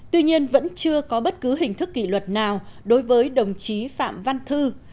tuy nhiên vẫn chưa có bất cứ hình thức kỷ luật nào đối với đồng chí phạm văn thư